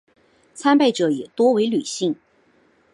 参拜者也多为女性。